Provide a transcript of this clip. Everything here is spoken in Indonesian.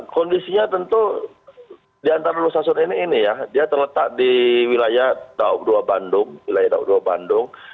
kondisinya tentu di antara dua stasiun ini ya dia terletak di wilayah daug dua bandung